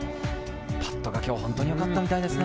パットが、きょう本当に良かったみたいですね。